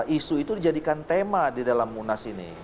isu itu dijadikan tema di dalam munas ini